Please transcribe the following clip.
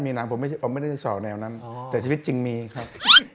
มีหนังผมไม่ได้จะสอบแนวนั้นแต่ชีวิตจริงมีครับ